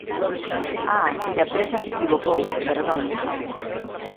¡Ah!, se a prensa se equivocou, perdón.